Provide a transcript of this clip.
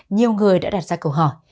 nhiều người đã đặt ra câu hỏi